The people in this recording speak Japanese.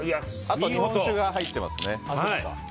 あと日本酒が入っていますね。